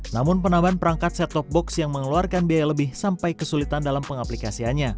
namun penambahan perangkat set top box yang mengeluarkan biaya lebih sampai kesulitan dalam pengaplikasiannya